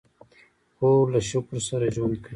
خور له شکر سره ژوند کوي.